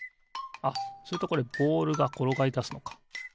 あっするとこれボールがころがりだすのか。